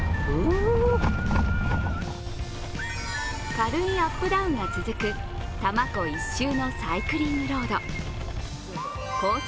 軽いアップダウンが続く多摩湖１周のサイクリングロード。コース